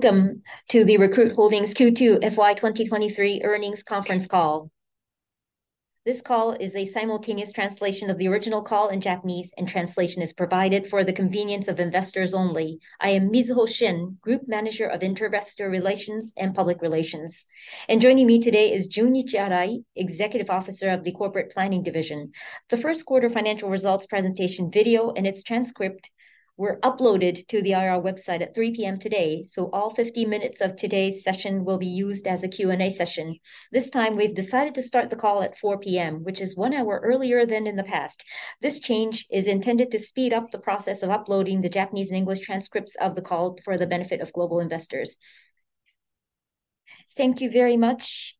Welcome to the Recruit Holdings Q2 FY 2023 earnings conference call. This call is a simultaneous translation of the original call in Japanese, and translation is provided for the convenience of investors only. I am Mizuho Shen, Group Manager of Investor Relations and Public Relations, and joining me today is Junichi Arai, Executive Officer of the Corporate Planning Division. The first quarter financial results presentation video and its transcript were uploaded to the IR website at 3:00 P.M. today, so all 50 minutes of today's session will be used as a Q&A session. This time, we've decided to start the call at 4:00 P.M., which is one hour earlier than in the past. This change is intended to speed up the process of uploading the Japanese and English transcripts of the call for the benefit of global investors. Thank you very much,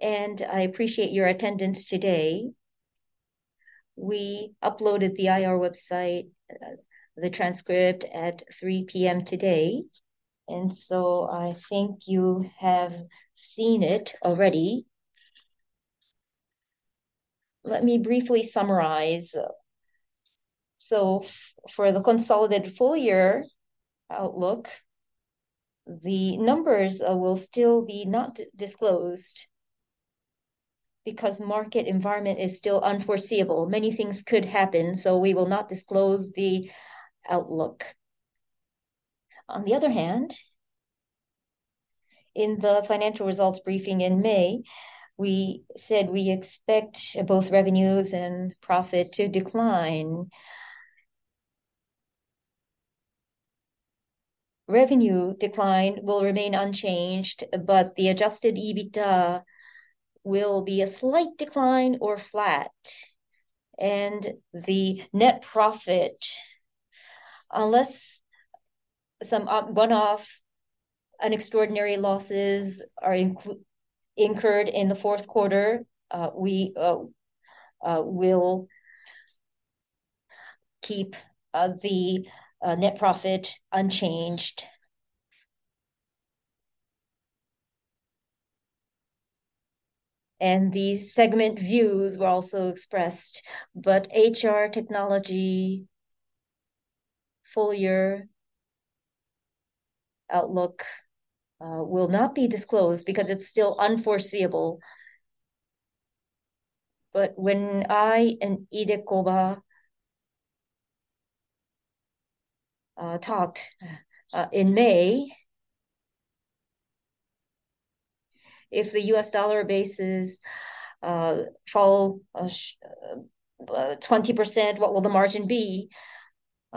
and I appreciate your attendance today. We uploaded the IR website, the transcript at 3:00 P.M. today, and so I think you have seen it already. Let me briefly summarize. So for the consolidated full year outlook, the numbers will still be not disclosed because market environment is still unforeseeable. Many things could happen, so we will not disclose the outlook. On the other hand, in the financial results briefing in May, we said we expect both revenues and profit to decline. Revenue decline will remain unchanged, but the Adjusted EBITDA will be a slight decline or flat, and the net profit, unless some one-off and extraordinary losses are incurred in the fourth quarter, we will keep the net profit unchanged. And the segment views were also expressed, but HR Technology full year outlook will not be disclosed because it's still unforeseeable. But when I and Idekoba-san talked in May, if the U.S. dollar bases fall 20%, what will the margin be?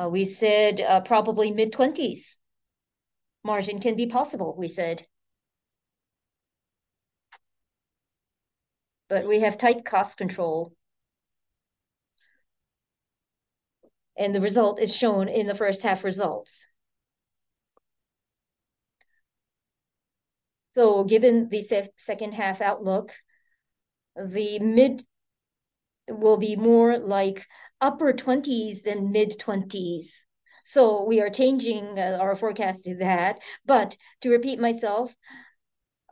We said, "Probably mid-twenties margin can be possible," we said. But we have tight cost control, and the result is shown in the first half results. So given the second half outlook, the mid will be more like upper twenties than mid-twenties, so we are changing our forecast to that. But to repeat myself,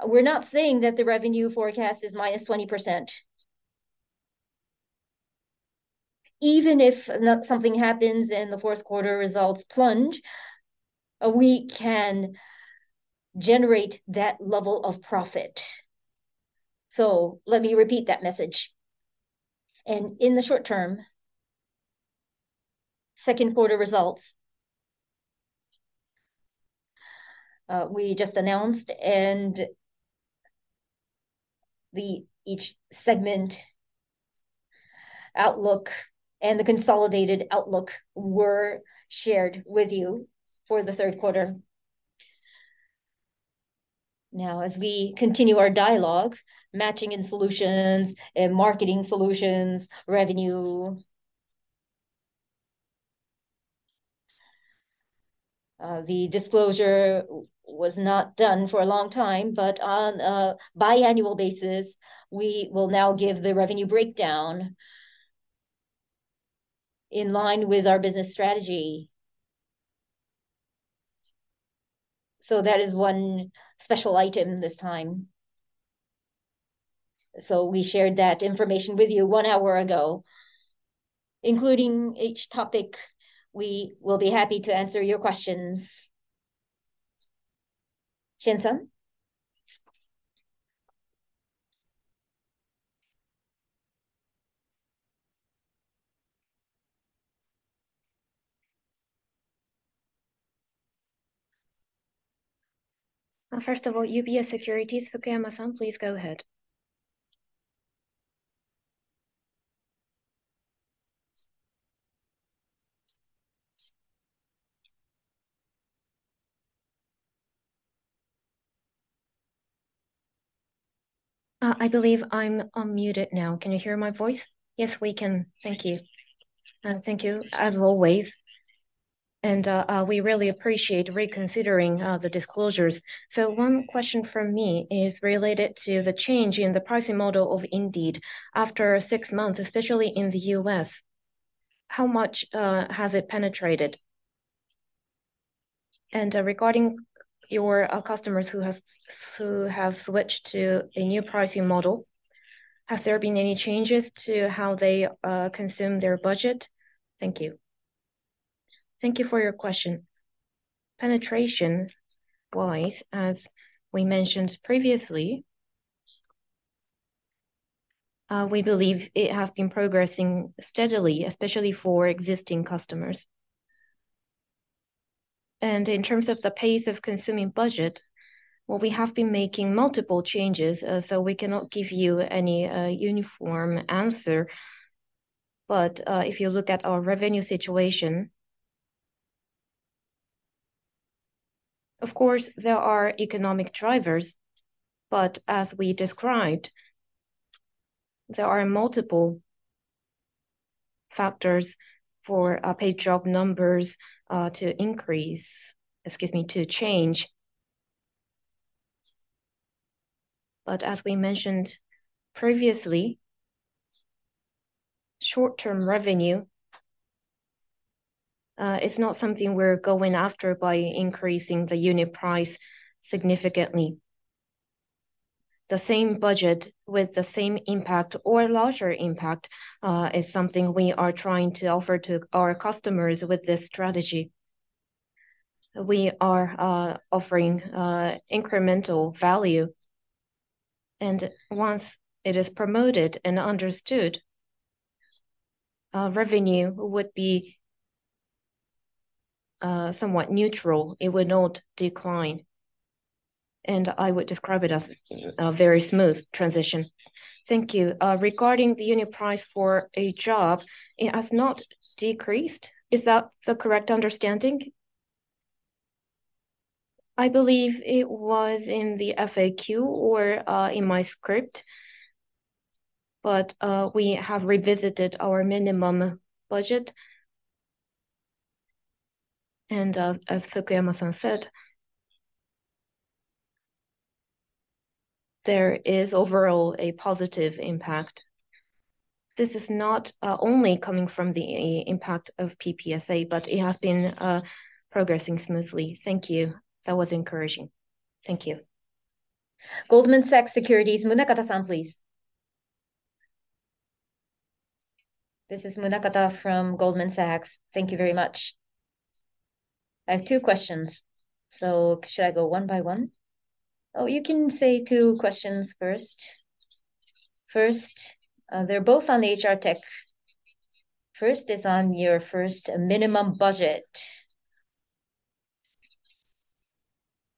we're not saying that the revenue forecast is -20%. Even if something happens and the fourth quarter results plunge, we can generate that level of profit. So let me repeat that message. And in the short term, second quarter results we just announced, and the each segment outlook and the consolidated outlook were shared with you for the third quarter. Now, as we continue our dialogue, Matching & Solutions and Marketing Solutions revenue, the disclosure was not done for a long time, but on a biannual basis, we will now give the revenue breakdown in line with our business strategy. So that is one special item this time. So we shared that information with you one hour ago. Including each topic, we will be happy to answer your questions. Shen-san? First of all, UBS Securities, Fukuyama-san, please go ahead. I believe I'm unmuted now. Can you hear my voice? Yes, we can. Thank you. Thank you, as always, and, we really appreciate reconsidering, the disclosures. So one question from me is related to the change in the pricing model of Indeed. After six months, especially in the U.S., how much, has it penetrated? And, regarding your, customers who has, who have switched to a new pricing model, has there been any changes to how they, consume their budget? Thank you. Thank you for your question. Penetration-wise, as we mentioned previously- We believe it has been progressing steadily, especially for existing customers. And in terms of the pace of consuming budget, well, we have been making multiple changes, so we cannot give you any uniform answer. But if you look at our revenue situation, of course, there are economic drivers, but as we described, there are multiple factors for paid job numbers to change. But as we mentioned previously, short-term revenue is not something we're going after by increasing the unit price significantly. The same budget with the same impact or larger impact is something we are trying to offer to our customers with this strategy. We are offering incremental value, and once it is promoted and understood, revenue would be somewhat neutral. It would not decline, and I would describe it as a very smooth transition. Thank you. Regarding the unit price for a job, it has not decreased. Is that the correct understanding? I believe it was in the FAQ or in my script, but we have revisited our minimum budget. And, as Fukuyama san said, there is overall a positive impact. This is not only coming from the impact of PPSA, but it has been progressing smoothly. Thank you. That was encouraging. Thank you. Goldman Sachs Securities, Munakata-san, please. This is Munakata from Goldman Sachs. Thank you very much. I have two questions, so should I go one by one? Oh, you can say two questions first. First, they're both on HR Tech. First is on your first minimum budget.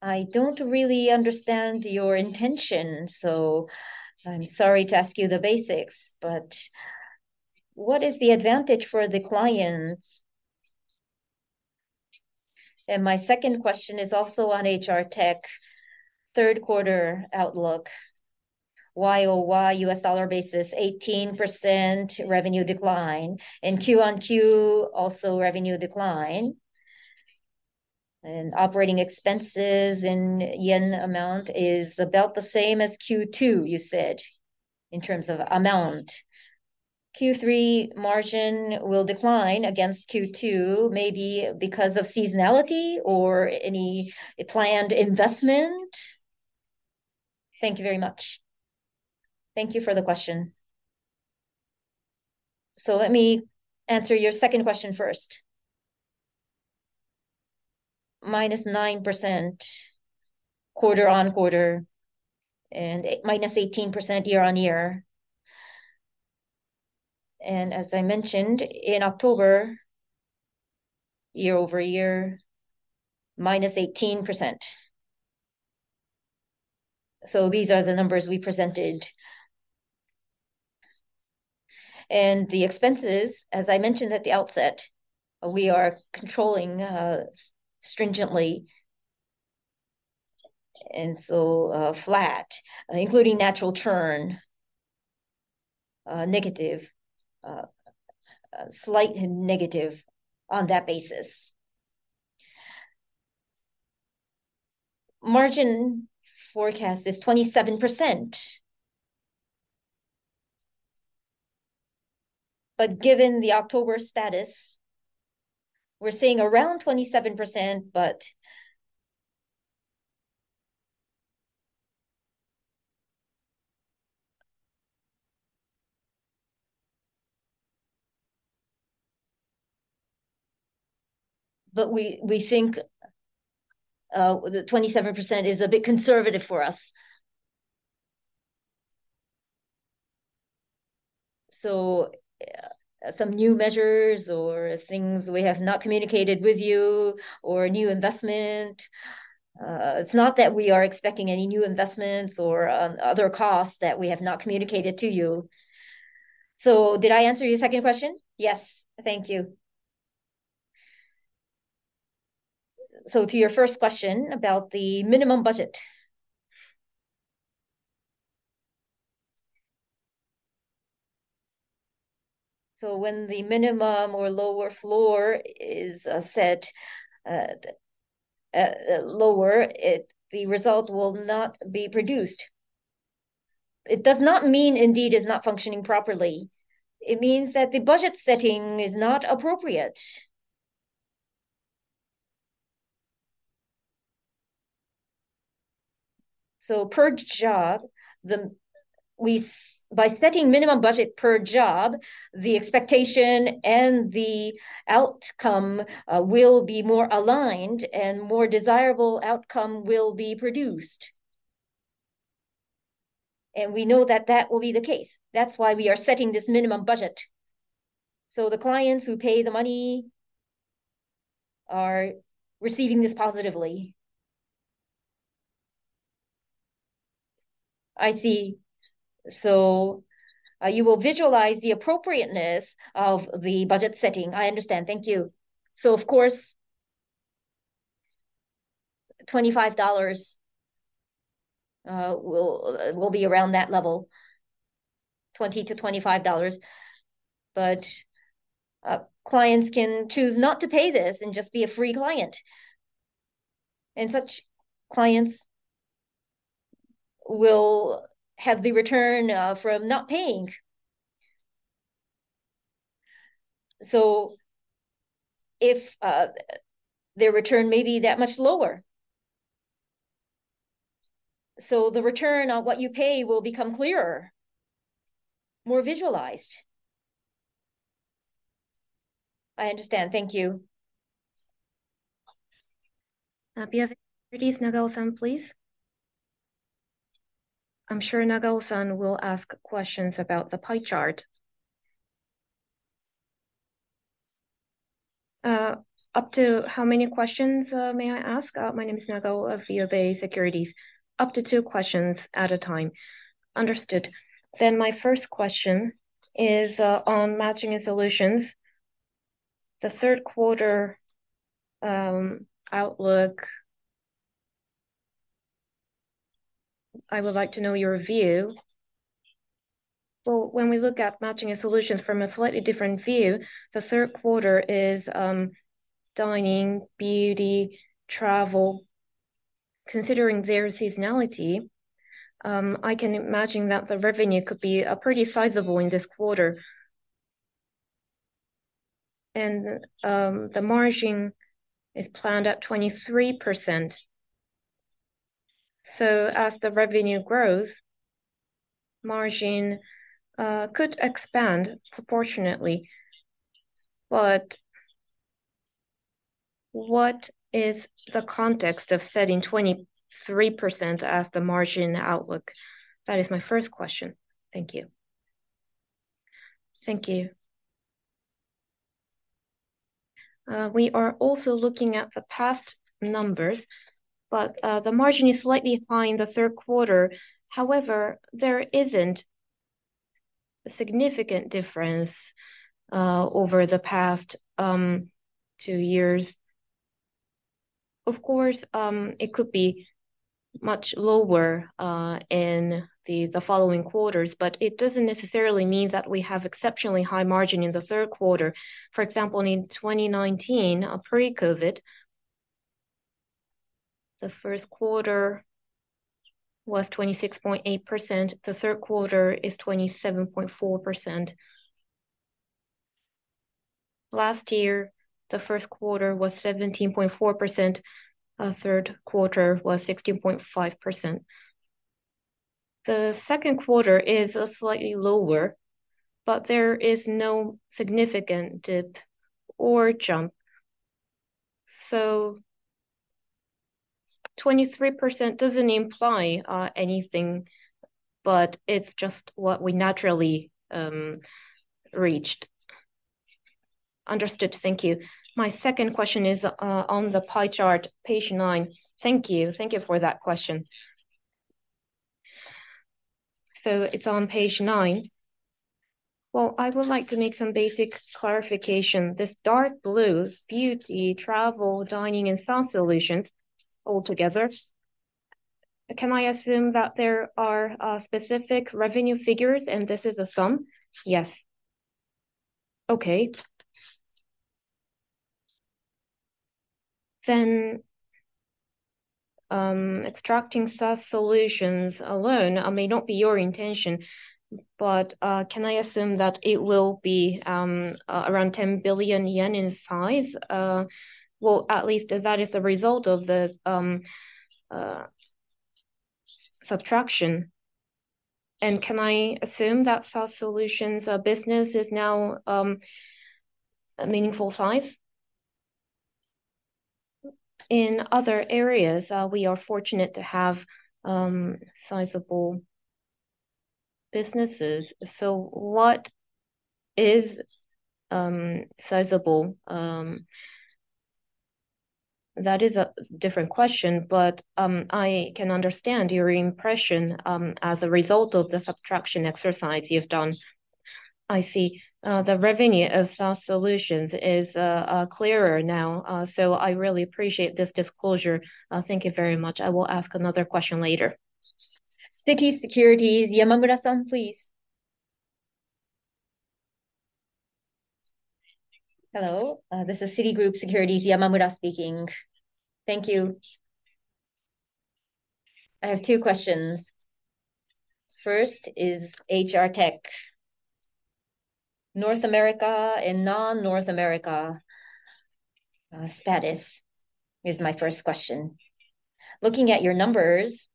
I don't really understand your intention, so I'm sorry to ask you the basics, but what is the advantage for the clients? And my second question is also on HR Tech third quarter outlook. YoY U.S. dollar basis, 18% revenue decline, and QoQ, also revenue decline. And operating expenses in yen amount is about the same as Q2, you said, in terms of amount. Q3 margin will decline against Q2, maybe because of seasonality or any planned investment? Thank you very much. Thank you for the question. So let me answer your second question first, -9% QoQ, and -8% YoY. And as I mentioned, in October, YoY -18%. So these are the numbers we presented. And the expenses, as I mentioned at the outset, we are controlling stringently, and so flat, including natural churn, negative, slight negative on that basis. Margin forecast is 27%. But given the October status, we're seeing around 27%, but... but we think the 27% is a bit conservative for us. So some new measures or things we have not communicated with you, or new investment, it's not that we are expecting any new investments or other costs that we have not communicated to you. So did I answer your second question? Yes. Thank you. So to your first question about the minimum budget. So when the minimum or lower floor is set lower, it, the result will not be produced. It does not mean Indeed is not functioning properly. It means that the budget setting is not appropriate. So per job, by setting minimum budget per job, the expectation and the outcome will be more aligned, and more desirable outcome will be produced... and we know that that will be the case. That's why we are setting this minimum budget. So the clients who pay the money are receiving this positively. I see. So you will visualize the appropriateness of the budget setting. I understand, thank you. So of course, $25 will be around that level, $20-$25. But, clients can choose not to pay this and just be a free client, and such clients will have the return from not paying. So if their return may be that much lower. So the return on what you pay will become clearer, more visualized. I understand. Thank you. BofA Securities, Nagao-san, please? I'm sure Nagao san will ask questions about the pie chart. Up to how many questions may I ask? My name is Nagao of BofA Securities. Up to two questions at a time. Understood. Then my first question is on Matching & Solutions. The third quarter outlook, I would like to know your view. Well, when we look at Matching & Solutions from a slightly different view, the third quarter is dining, beauty, travel. Considering their seasonality, I can imagine that the revenue could be pretty sizable in this quarter. The margin is planned at 23%. As the revenue grows, margin could expand proportionately. What is the context of setting 23% as the margin outlook? That is my first question. Thank you. Thank you. We are also looking at the past numbers, but the margin is slightly high in the third quarter. However, there isn't a significant difference over the past two years. Of course, it could be much lower in the following quarters, but it doesn't necessarily mean that we have exceptionally high margin in the third quarter. For example, in 2019, pre-COVID, the first quarter was 26.8%, the third quarter is 27.4%. Last year, the first quarter was 17.4%, third quarter was 16.5%. The second quarter is slightly lower, but there is no significant dip or jump. So 23% doesn't imply anything, but it's just what we naturally reached. Understood. Thank you. My second question is on the pie chart, page nine. Thank you. Thank you for that question. So it's on page nine. Well, I would like to make some basic clarification. This dark blue, beauty, travel, dining, and SaaS Solutions all together, can I assume that there are specific revenue figures, and this is a sum? Yes. Okay. Then, extracting SaaS Solutions alone, may not be your intention, but, can I assume that it will be around 10 billion yen in size? Well, at least that is the result of the subtraction. And can I assume that SaaS Solutions business is now a meaningful size? In other areas, we are fortunate to have sizable businesses. So what is sizable? That is a different question, but, I can understand your impression as a result of the subtraction exercise you've done. I see. The revenue of SaaS Solutions is clearer now, so I really appreciate this disclosure. Thank you very much. I will ask another question later. Citigroup Securities, Junko Yamamura san, please. Hello, this is Citigroup Securities, Yamamura speaking. Thank you. I have two questions. First is HR tech. North America and non-North America, status is my first question. Looking at your numbers,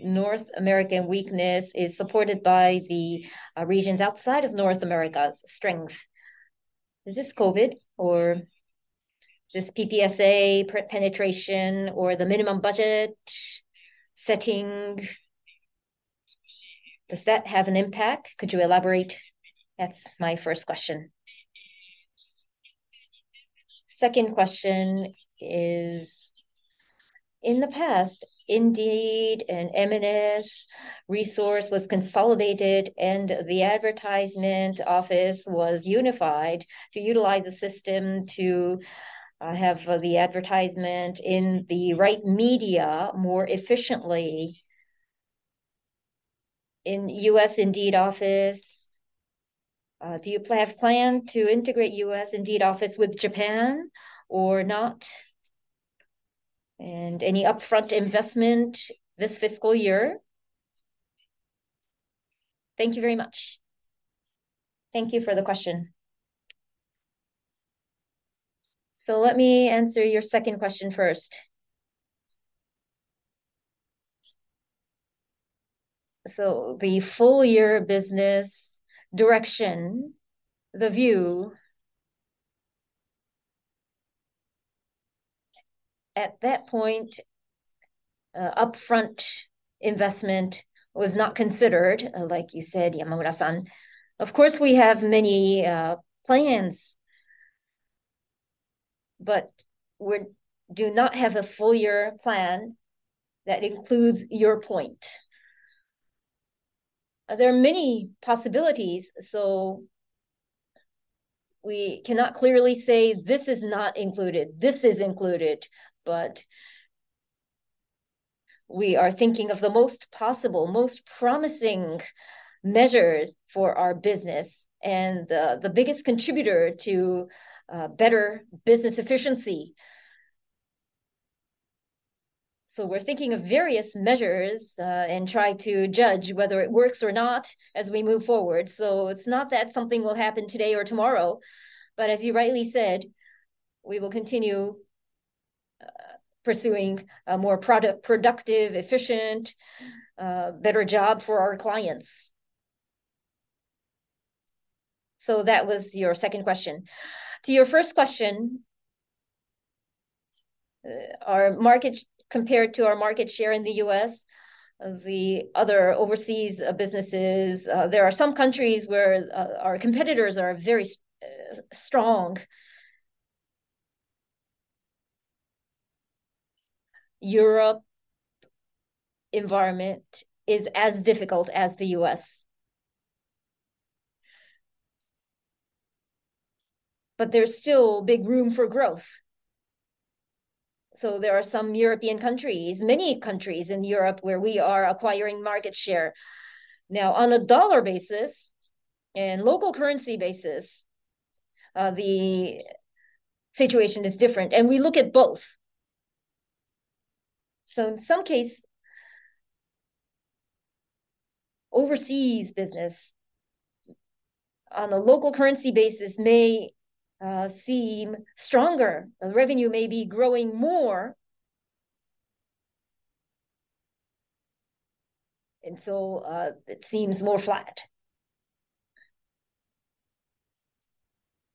North American weakness is supported by the regions outside of North America's strength. Is this COVID? Does PPSA pre-penetration or the minimum budget setting, does that have an impact? Could you elaborate? That's my first question. Second question is: in the past, Indeed and M&S resource was consolidated, and the advertisement office was unified to utilize the system to have the advertisement in the right media more efficiently. In U.S. Indeed office, do you have plans to integrate U.S. Indeed office with Japan or not? And any upfront investment this fiscal year? Thank you very much. Thank you for the question. So let me answer your second question first. So the full year business direction, the view, at that point, upfront investment was not considered, like you said, Yamamura san. Of course, we have many plans, but we do not have a full year plan that includes your point. There are many possibilities, so we cannot clearly say, "This is not included, this is included," but we are thinking of the most possible, most promising measures for our business, and the biggest contributor to better business efficiency. So we're thinking of various measures, and trying to judge whether it works or not as we move forward. So it's not that something will happen today or tomorrow, but as you rightly said, we will continue pursuing a more productive, efficient, better job for our clients. So that was your second question. To your first question, our market... Compared to our market share in the U.S., of the other overseas, businesses, there are some countries where, our competitors are very strong. Europe environment is as difficult as the U.S. But there's still big room for growth, so there are some European countries, many countries in Europe, where we are acquiring market share. Now, on a dollar basis and local currency basis, the situation is different, and we look at both. So in some case, overseas business, on a local currency basis, may, seem stronger, and revenue may be growing more, and so, it seems more flat.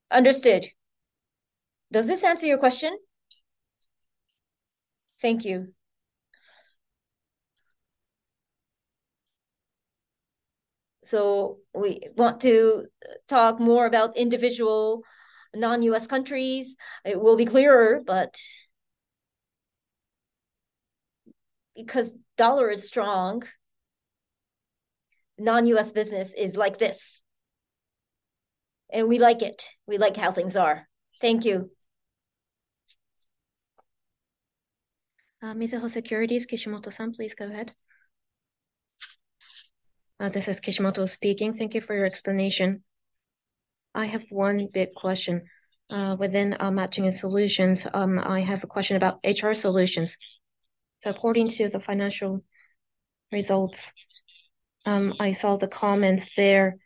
Understood. Does this answer your question? Thank you. So we want to talk more about individual non-U.S. countries. It will be clearer, but because dollar is strong, non-U.S. business is like this, and we like it. We like how things are. Thank you. Mizuho Securities, Kishimoto-san, please go ahead. This is Kishimoto speaking. Thank you for your explanation. I have one big question. Within our matching and solutions, I have a question about HR Solutions. So according to the financial results, I saw the comments there,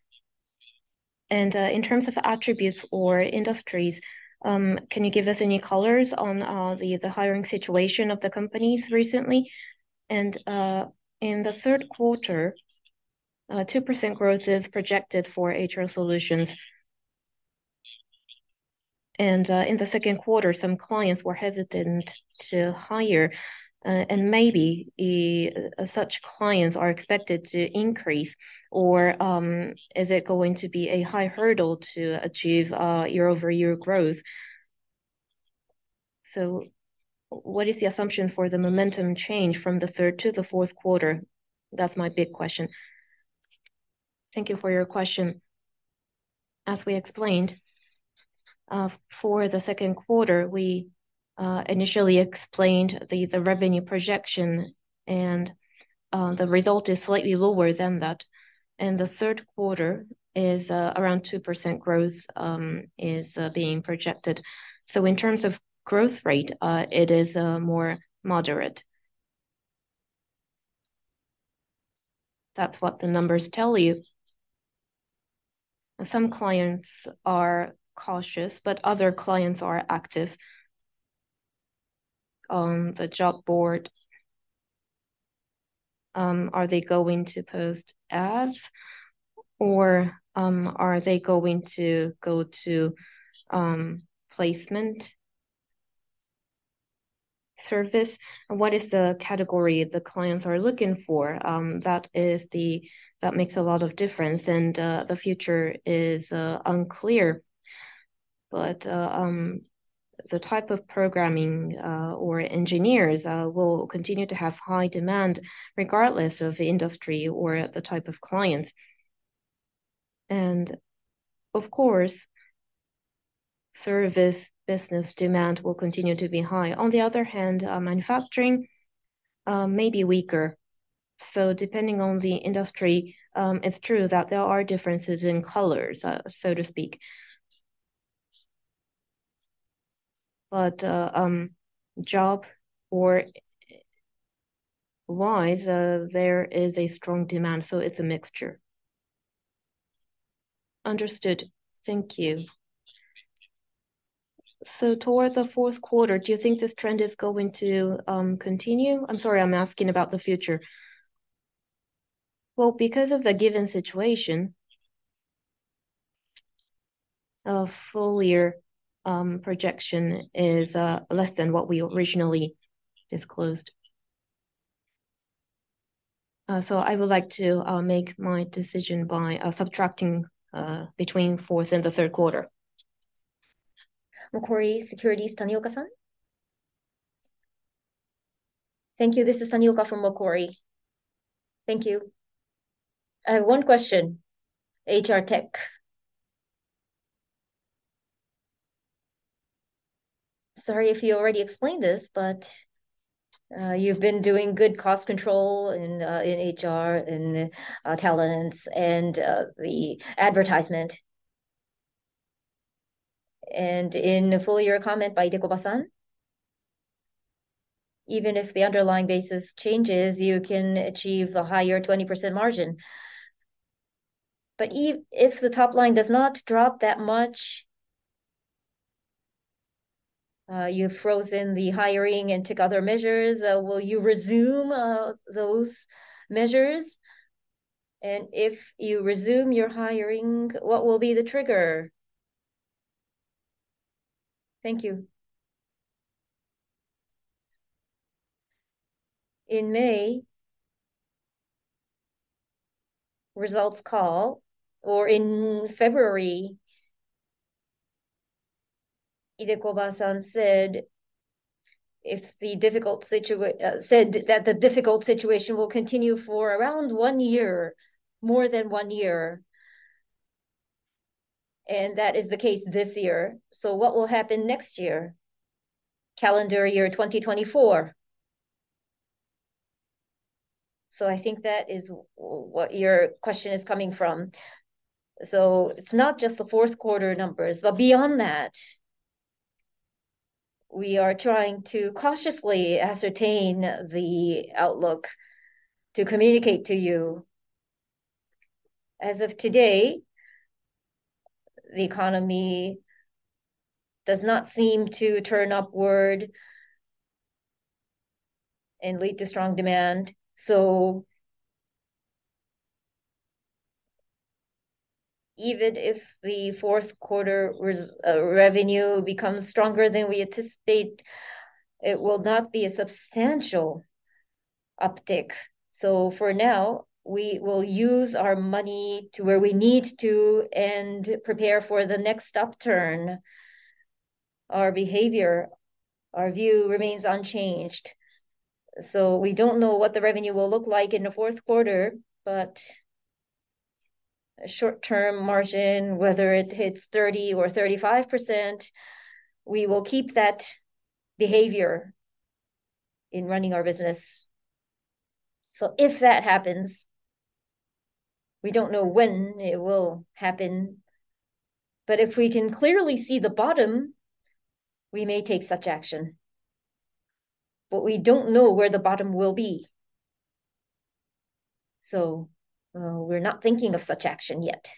and in terms of attributes or industries, can you give us any colors on the hiring situation of the companies recently? In the third quarter, 2% growth is projected for HR Solutions, and in the second quarter, some clients were hesitant to hire, and maybe such clients are expected to increase, or is it going to be a high hurdle to achieve year-over-year growth? So what is the assumption for the momentum change from the third to the fourth quarter? That's my big question. Thank you for your question. As we explained, for the second quarter, we initially explained the revenue projection, and the result is slightly lower than that. And the third quarter is around 2% growth is being projected. So in terms of growth rate, it is more moderate. That's what the numbers tell you. Some clients are cautious, but other clients are active on the job board. Are they going to post ads or, are they going to go to, placement service? And what is the category the clients are looking for? That makes a lot of difference, and the future is unclear. But the type of programming or engineers will continue to have high demand regardless of the industry or the type of clients. And of course, service business demand will continue to be high. On the other hand, manufacturing may be weaker. So depending on the industry, it's true that there are differences in colors, so to speak. But job-wise, there is a strong demand, so it's a mixture. Understood. Thank you. So toward the fourth quarter, do you think this trend is going to continue? I'm sorry, I'm asking about the future. Well, because of the given situation, a full year projection is less than what we originally disclosed. So I would like to make my decision by subtracting between fourth and the third quarter. Macquarie Securities, Tanioka-san? Thank you. This is Tanioka from Macquarie. Thank you. I have one question: HR tech. Sorry if you already explained this, but you've been doing good cost control in in HR, in talents and the advertisement. And in the full year comment by Deko-san, even if the underlying basis changes, you can achieve a higher 20% margin. But if the top line does not drop that much, you've frozen the hiring and took other measures, will you resume those measures? And if you resume your hiring, what will be the trigger? Thank you. In May results call or in February, Idekoba-san said that the difficult situation will continue for around one year, more than one year, and that is the case this year. So what will happen next year, calendar year 2024? So I think that is what your question is coming from. So it's not just the fourth quarter numbers, but beyond that, we are trying to cautiously ascertain the outlook to communicate to you. As of today, the economy does not seem to turn upward and lead to strong demand, so even if the fourth quarter revenue becomes stronger than we anticipate, it will not be a substantial uptick. So for now, we will use our money to where we need to and prepare for the next upturn. Our behavior, our view remains unchanged, so we don't know what the revenue will look like in the fourth quarter, but a short-term margin, whether it hits 30% or 35%, we will keep that behavior in running our business. So if that happens, we don't know when it will happen, but if we can clearly see the bottom, we may take such action. But we don't know where the bottom will be, so we're not thinking of such action yet.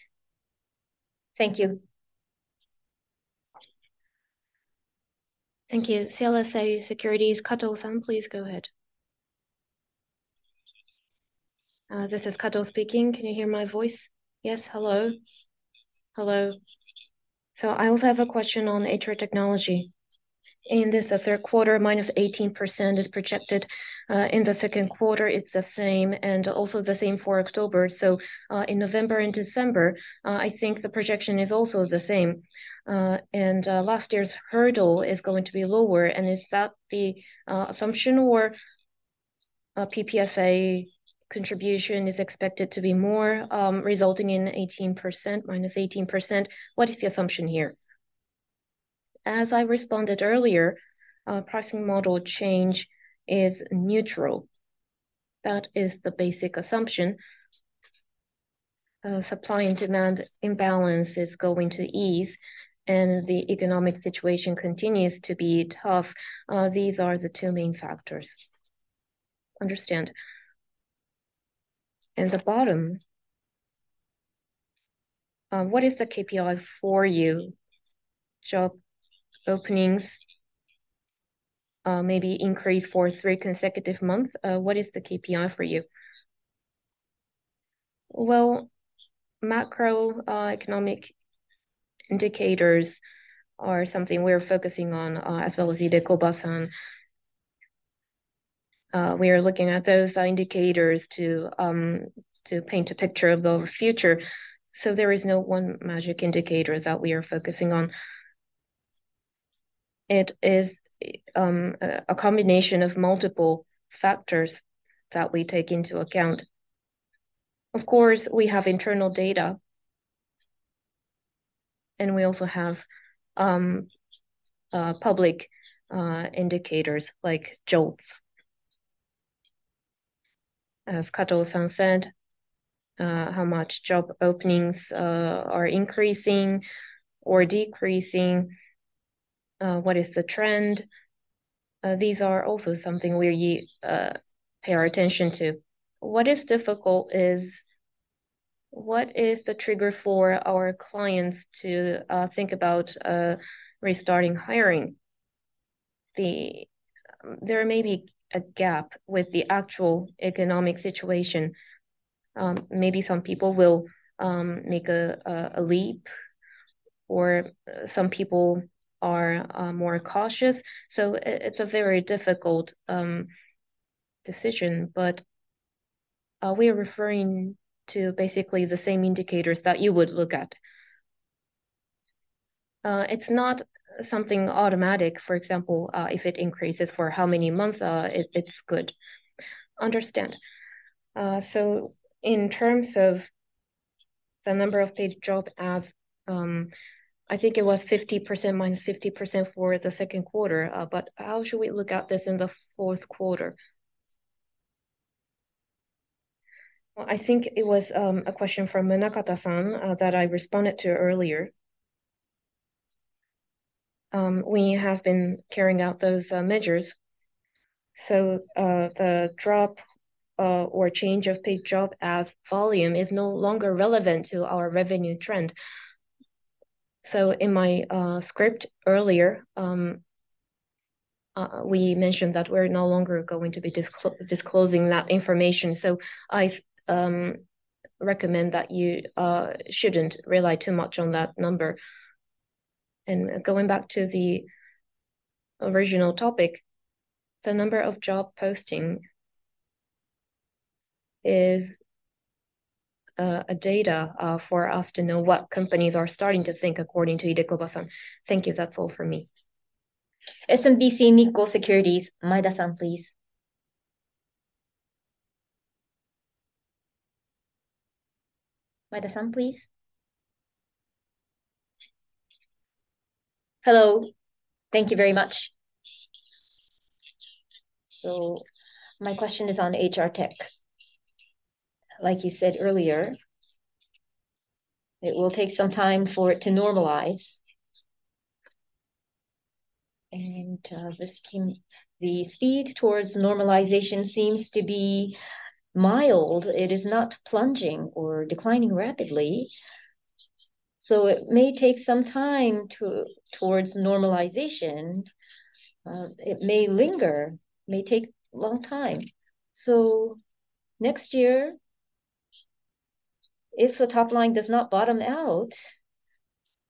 Thank you. Thank you. CLSA Securities, Kato-san, please go ahead. This is Kato speaking. Can you hear my voice? Yes, hello. Hello. So I also have a question on HR Technology. In this, the third quarter, -18% is projected. In the second quarter, it's the same, and also the same for October. So, in November and December, I think the projection is also the same. And, last year's hurdle is going to be lower, and is that the assumption or PPSA contribution is expected to be more, resulting in 18%, -18%? What is the assumption here? As I responded earlier, pricing model change is neutral. That is the basic assumption. Supply and demand imbalance is going to ease, and the economic situation continues to be tough. These are the two main factors. Understand. And the bottom- what is the KPI for you? Job openings maybe increase for three consecutive months. What is the KPI for you? Well, macro economic indicators are something we're focusing on, as well as the Deko business on. We are looking at those indicators to paint a picture of the future, so there is no one magic indicator that we are focusing on. It is a combination of multiple factors that we take into account. Of course, we have internal data, and we also have public indicators like JOLTS. As Kato-san said, how much job openings are increasing or decreasing, what is the trend? These are also something we pay our attention to. What is difficult is what is the trigger for our clients to think about restarting hiring? There may be a gap with the actual economic situation. Maybe some people will make a leap, or some people are more cautious. So it's a very difficult decision, but we're referring to basically the same indicators that you would look at. It's not something automatic, for example, if it increases for how many months, it's good. Understand. So in terms of the number of paid job ads, I think it was 50%, -50% for the second quarter. But how should we look at this in the fourth quarter? Well, I think it was a question from Munakata-san that I responded to earlier. We have been carrying out those measures, so the drop or change of paid job as volume is no longer relevant to our revenue trend. So in my script earlier, we mentioned that we're no longer going to be disclosing that information, so I recommend that you shouldn't rely too much on that number. And going back to the original topic, the number of job posting is a data for us to know what companies are starting to think according to Idekoba-san. Thank you. That's all for me. SMBC Nikko Securities, Maeda-san, please. Maeda-san, please. Hello. Thank you very much. So my question is on HR Tech. Like you said earlier, it will take some time for it to normalize, and The speed towards normalization seems to be mild. It is not plunging or declining rapidly, so it may take some time towards normalization. It may linger, may take a long time. So next year, if the top line does not bottom out,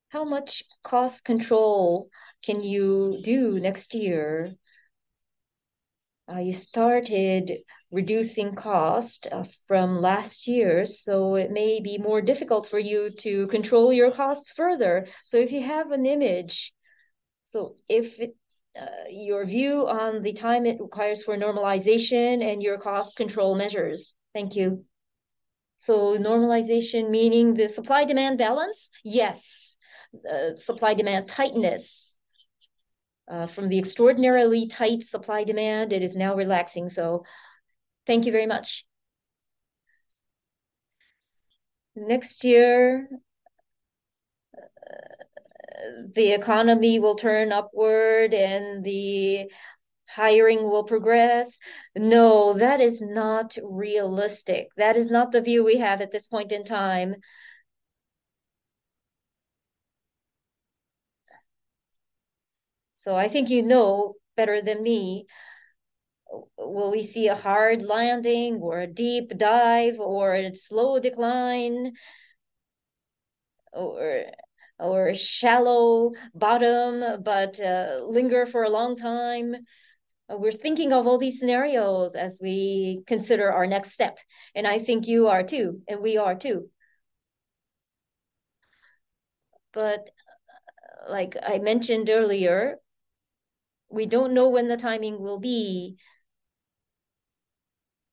how much cost control can you do next year? You started reducing cost from last year, so it may be more difficult for you to control your costs further. So if you have an image, so if your view on the time it requires for normalization and your cost control measures. Thank you. Normalization, meaning the supply-demand balance? Yes. Supply-demand tightness. From the extraordinarily tight supply-demand, it is now relaxing, so thank you very much. Next year, the economy will turn upward, and the hiring will progress. No, that is not realistic. That is not the view we have at this point in time. So I think you know better than me, will we see a hard landing, or a deep dive, or a slow decline, or a shallow bottom, but linger for a long time? We're thinking of all these scenarios as we consider our next step, and I think you are too, and we are too. But like I mentioned earlier, we don't know when the timing will be,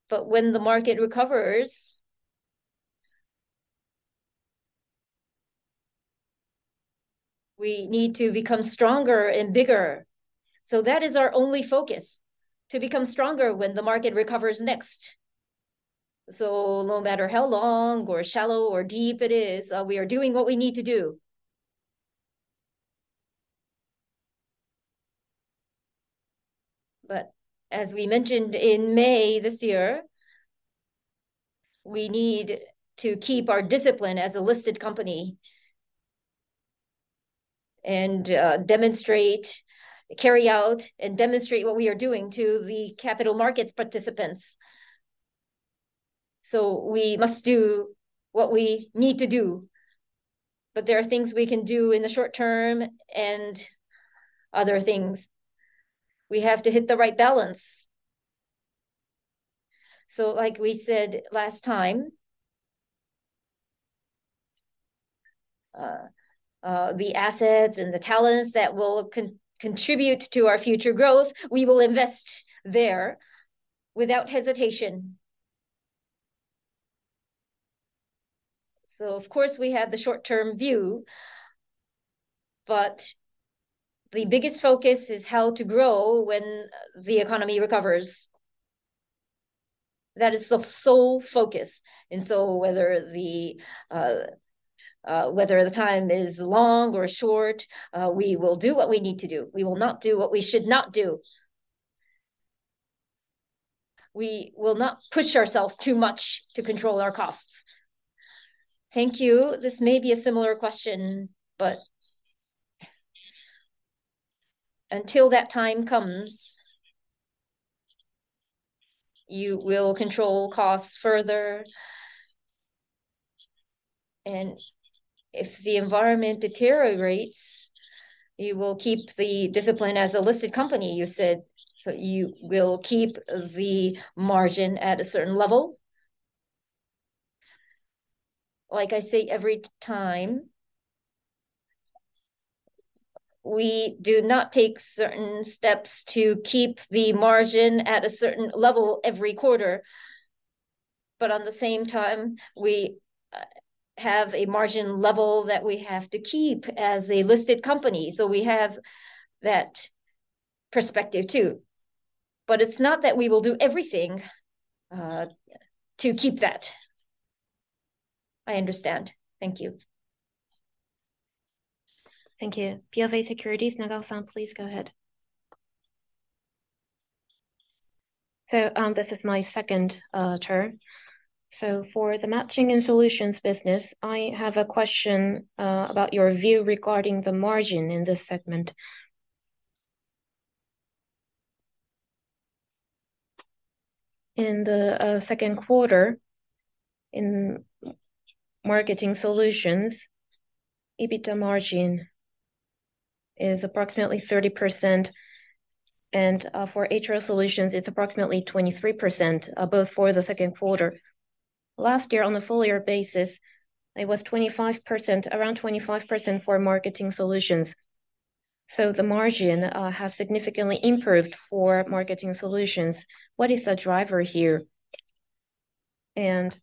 but when the market recovers, we need to become stronger and bigger. So that is our only focus, to become stronger when the market recovers next. So no matter how long or shallow or deep it is, we are doing what we need to do.... As we mentioned in May this year, we need to keep our discipline as a listed company and demonstrate, carry out and demonstrate what we are doing to the capital markets participants. We must do what we need to do, but there are things we can do in the short term and other things. We have to hit the right balance. Like we said last time, the assets and the talents that will contribute to our future growth, we will invest there without hesitation. Of course, we have the short-term view, but the biggest focus is how to grow when the economy recovers. That is the sole focus, and so whether the time is long or short, we will do what we need to do. We will not do what we should not do. We will not push ourselves too much to control our costs. Thank you. This may be a similar question, but until that time comes, you will control costs further? And if the environment deteriorates, you will keep the discipline as a listed company, you said, so you will keep the margin at a certain level? Like I say, every time, we do not take certain steps to keep the margin at a certain level every quarter, but on the same time, we have a margin level that we have to keep as a listed company, so we have that perspective too. But it's not that we will do everything to keep that. I understand. Thank you. Thank you. BofA Securities, Nagao-san, please go ahead. This is my second turn. For the Matching and Solutions business, I have a question about your view regarding the margin in this segment. In the second quarter, in Marketing Solutions, EBITDA margin is approximately 30%, and for HR Solutions, it's approximately 23%, both for the second quarter. Last year, on a full year basis, it was 25%... around 25% for Marketing Solutions, so the margin has significantly improved for Marketing Solutions. What is the driver here? And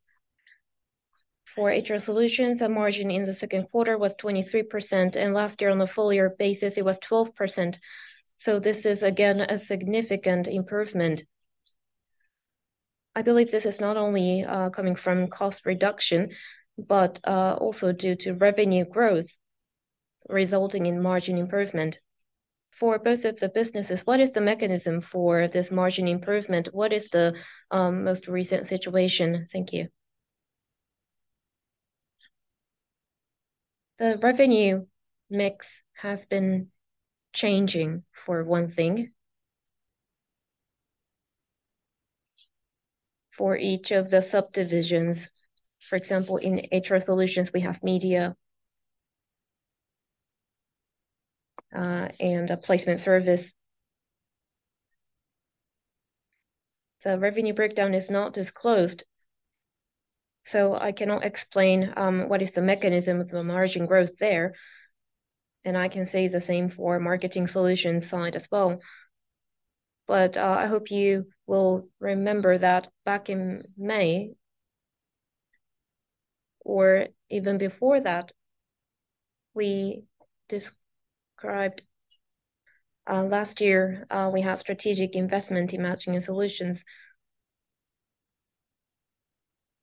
for HR Solutions, the margin in the second quarter was 23%, and last year, on a full year basis, it was 12%, so this is again a significant improvement. I believe this is not only coming from cost reduction, but also due to revenue growth resulting in margin improvement. For both of the businesses, what is the mechanism for this margin improvement? What is the most recent situation? Thank you. The revenue mix has been changing, for one thing. For each of the subdivisions, for example, in HR Solutions, we have media and a placement service. The revenue breakdown is not disclosed, so I cannot explain what is the mechanism of the margin growth there, and I can say the same for Marketing Solutions side as well. But I hope you will remember that back in May, or even before that, we described last year we had strategic investment in Matching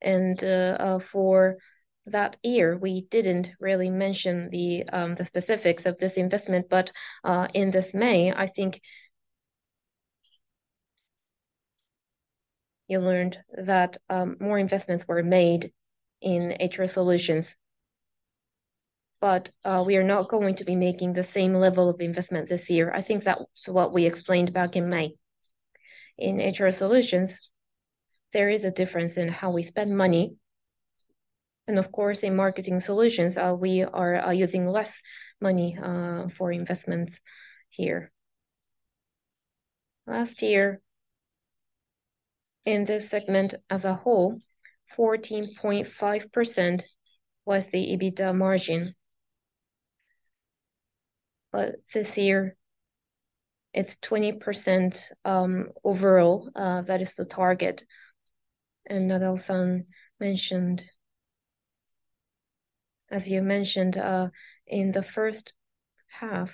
and Solutions. For that year, we didn't really mention the specifics of this investment, but in this May, I think you learned that more investments were made in HR Solutions, but we are not going to be making the same level of investment this year. I think that was what we explained back in May. In HR Solutions, there is a difference in how we spend money, and of course, in Marketing Solutions, we are using less money for investments here. Last year, in this segment as a whole, 14.5% was the EBITDA margin, but this year, it's 20%, overall, that is the target. Nagao-san mentioned, as you mentioned, in the first half,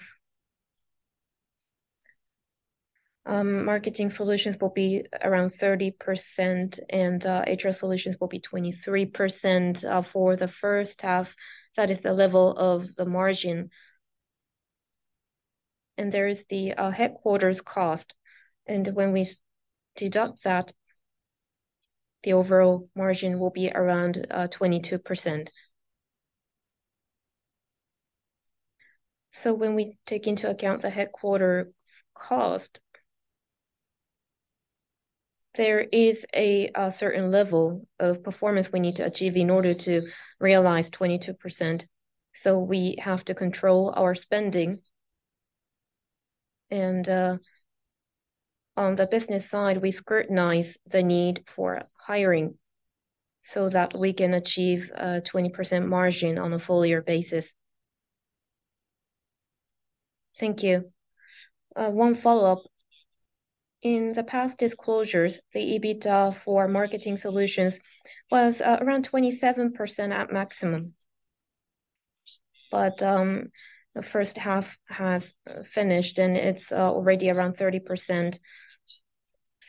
Marketing Solutions will be around 30%, and HR Solutions will be 23% for the first half. That is the level of the margin... and there is the headquarters cost, and when we deduct that, the overall margin will be around 22%. So when we take into account the headquarters cost, there is a certain level of performance we need to achieve in order to realize 22%, so we have to control our spending. On the business side, we scrutinize the need for hiring so that we can achieve a 20% margin on a full year basis. Thank you. One follow-up: in the past disclosures, the EBITDA for Marketing Solutions was around 27% at maximum, but the first half has finished, and it's already around 30%,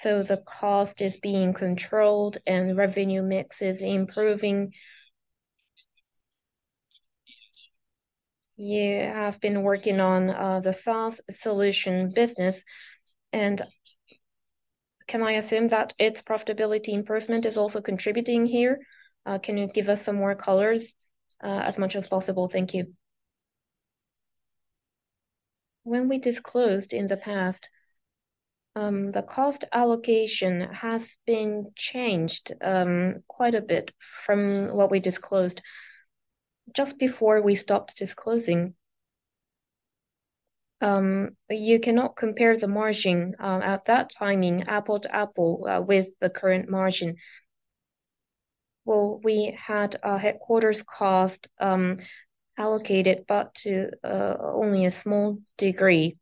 so the cost is being controlled, and revenue mix is improving. You have been working on the SaaS Solutions business, and can I assume that its profitability improvement is also contributing here? Can you give us some more colors, as much as possible? Thank you. When we disclosed in the past, the cost allocation has been changed quite a bit from what we disclosed just before we stopped disclosing. You cannot compare the margin at that timing apple-to-apple with the current margin. Well, we had our headquarters cost allocated, but to only a small degree.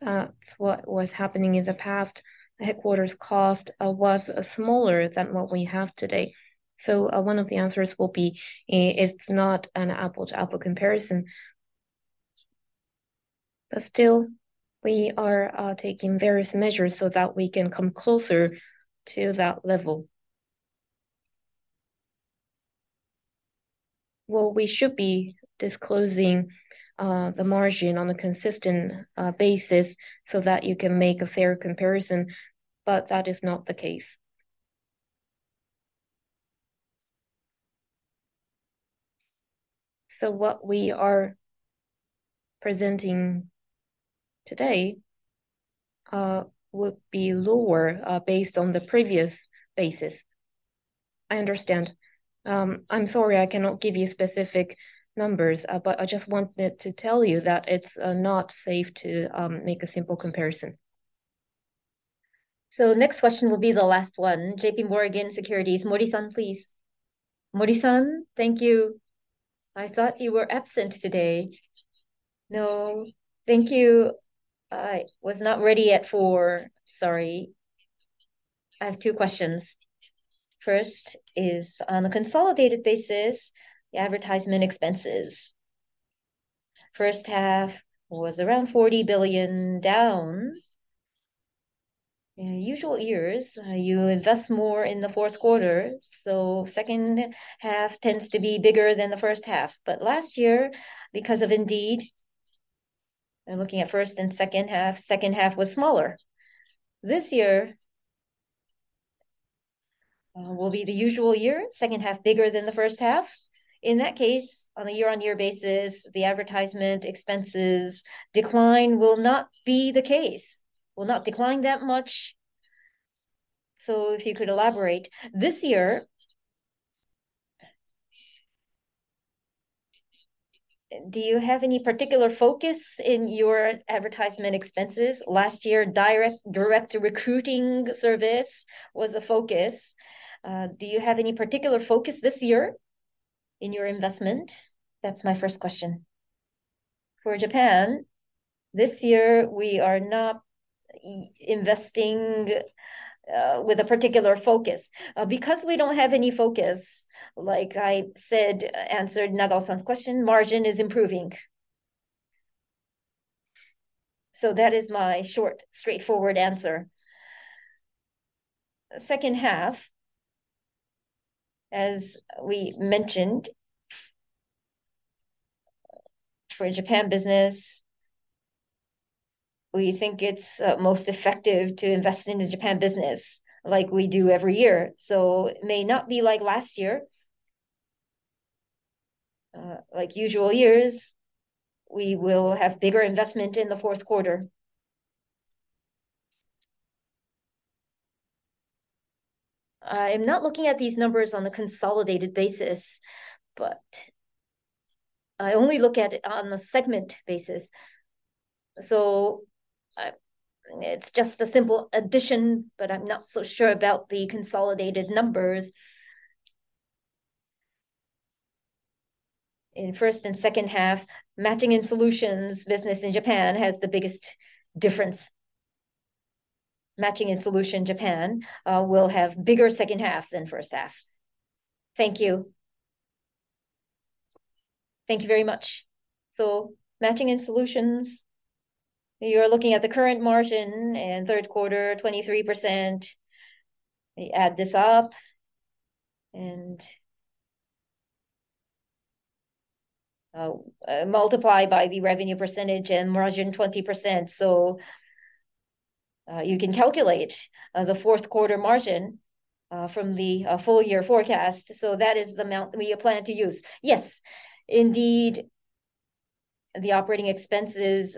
That's what was happening in the past. The headquarters cost was smaller than what we have today, so one of the answers will be it's not an apple to apple comparison. But still, we are taking various measures so that we can come closer to that level. Well, we should be disclosing the margin on a consistent basis so that you can make a fair comparison, but that is not the case. So what we are presenting today would be lower based on the previous basis. I understand. I'm sorry I cannot give you specific numbers, but I just wanted to tell you that it's not safe to make a simple comparison. So next question will be the last one. JP Morgan Securities, Mori-san, please. Mori-san, thank you. I thought you were absent today. No, thank you. I was not ready yet for... Sorry. I have two questions. First is, on a consolidated basis, the advertisement expenses. First half was around 40 billion down. In usual years, you invest more in the fourth quarter, so second half tends to be bigger than the first half. But last year, because of Indeed, I'm looking at first and second half, second half was smaller. This year, will be the usual year, second half bigger than the first half. In that case, on a YoY basis, the advertisement expenses decline will not be the case, will not decline that much. So if you could elaborate. This year, do you have any particular focus in your advertisement expenses? Last year, direct recruiting service was a focus. Do you have any particular focus this year in your investment? That's my first question. For Japan, this year, we are not investing with a particular focus. Because we don't have any focus, like I said, answered Nagao's question, margin is improving. So that is my short, straightforward answer. Second half, as we mentioned, for Japan business, we think it's most effective to invest in the Japan business like we do every year, so it may not be like last year. Like usual years, we will have bigger investment in the fourth quarter. I am not looking at these numbers on a consolidated basis, but I only look at it on a segment basis, so it's just a simple addition, but I'm not so sure about the consolidated numbers. In first and second half, Matching and Solutions business in Japan has the biggest difference. Matching and Solutions Japan will have bigger second half than first half. Thank you. Thank you very much. Matching and Solutions- You are looking at the current margin in third quarter, 23%. Let me add this up and multiply by the revenue percentage and margin, 20%. So you can calculate the fourth quarter margin from the full year forecast. So that is the amount we plan to use. Yes, indeed, the operating expenses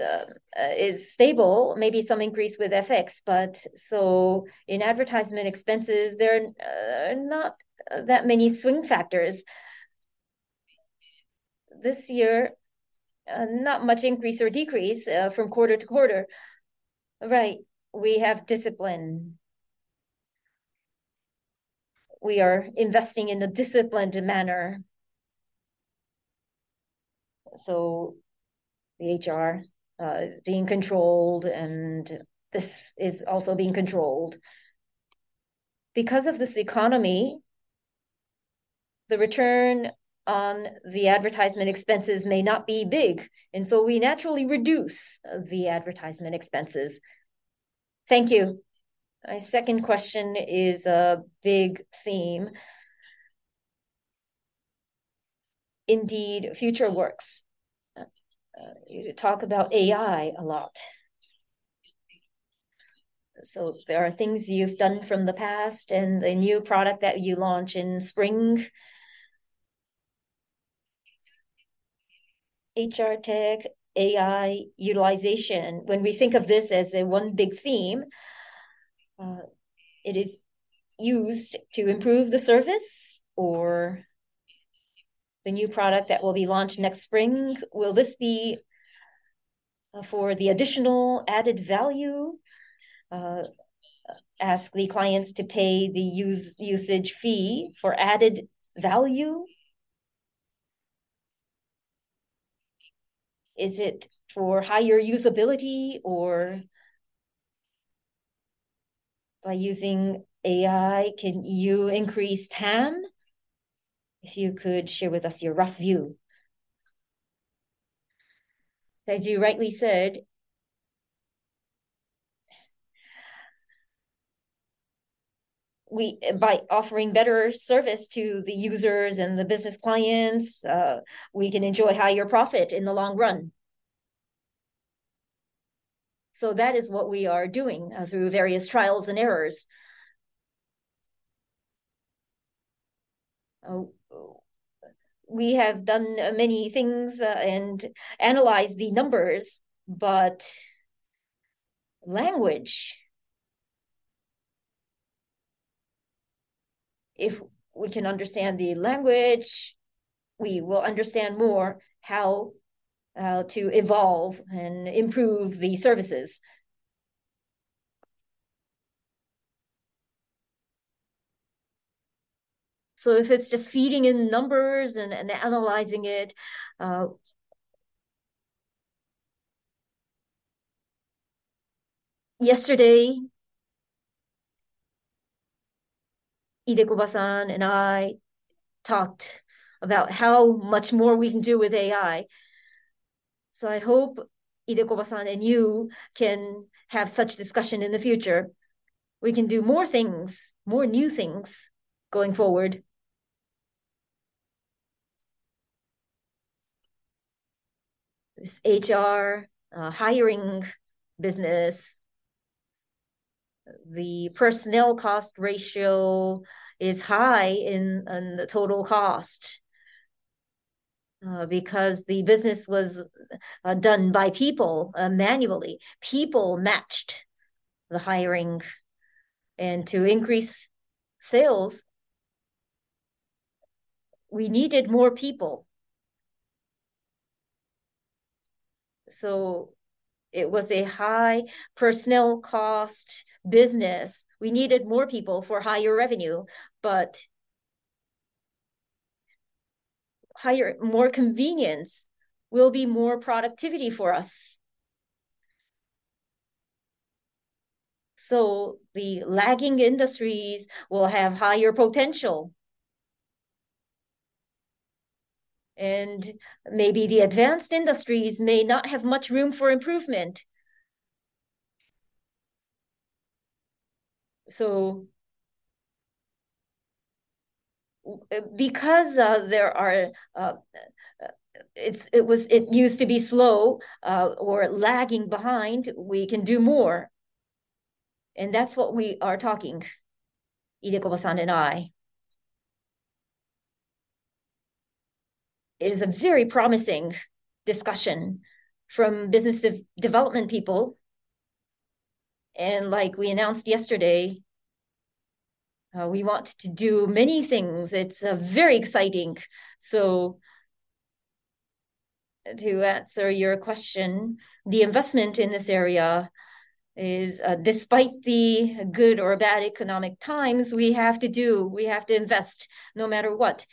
is stable, maybe some increase with FX. But so in advertisement expenses, there are not that many swing factors. This year, not much increase or decrease from quarter to quarter. Right, we have discipline. We are investing in a disciplined manner. So the HR is being controlled, and this is also being controlled. Because of this economy, the return on the advertisement expenses may not be big, and so we naturally reduce the advertisement expenses. Thank you. My second question is a big theme. Indeed FutureWorks. You talk about AI a lot. So there are things you've done from the past and the new product that you launch in spring. HR tech, AI utilization, when we think of this as a one big theme, it is used to improve the service or the new product that will be launched next spring? Will this be for the additional added value, ask the clients to pay the usage fee for added value? Is it for higher usability, or by using AI, can you increase TAM? If you could share with us your rough view. As you rightly said, we... By offering better service to the users and the business clients, we can enjoy higher profit in the long run. So that is what we are doing, through various trials and errors. We have done many things and analyzed the numbers, but language, if we can understand the language, we will understand more how to evolve and improve the services. So if it's just feeding in numbers and analyzing it... Yesterday, Idekoba-san and I talked about how much more we can do with AI. So I hope Idekoba-san and you can have such discussion in the future. We can do more things, more new things, going forward. This HR hiring business, the personnel cost ratio is high in the total cost because the business was done by people manually. People matched the hiring, and to increase sales, we needed more people. So it was a high personnel cost business. We needed more people for higher revenue, but higher, more convenience will be more productivity for us. So the lagging industries will have higher potential. And maybe the advanced industries may not have much room for improvement. So because there are, it used to be slow or lagging behind, we can do more, and that's what we are talking, Idekoba-san and I. It is a very promising discussion from business development people, and like we announced yesterday, we want to do many things. It's very exciting. So to answer your question, the investment in this area is, despite the good or bad economic times, we have to do, we have to invest no matter what.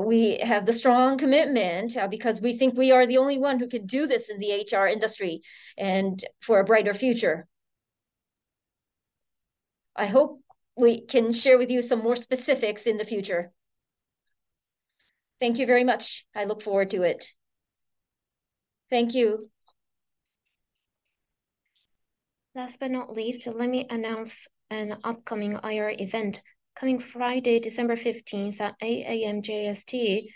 We have the strong commitment, because we think we are the only one who can do this in the HR industry, and for a brighter future. I hope we can share with you some more specifics in the future. Thank you very much. I look forward to it. Thank you. Last but not least, let me announce an upcoming IR event. Coming Friday, December 15th at 8:00 A.M. JST,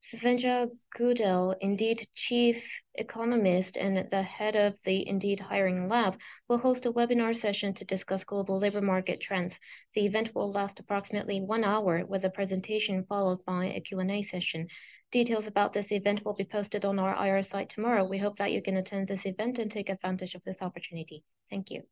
Svenja Gudell, Indeed Chief Economist and the head of the Indeed Hiring Lab, will host a webinar session to discuss global labor market trends. The event will last approximately one hour, with a presentation followed by a Q&A session. Details about this event will be posted on our IR site tomorrow. We hope that you can attend this event and take advantage of this opportunity. Thank you.